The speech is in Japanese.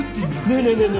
・ねえねえねえ